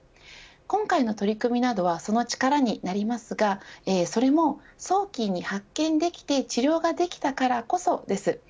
今回の取り組みなどはその力になりますがそれも、早期に発見できて治療ができたからこそです。